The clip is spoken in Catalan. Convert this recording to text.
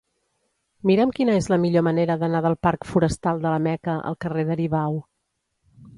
Mira'm quina és la millor manera d'anar del parc Forestal de la Meca al carrer d'Aribau.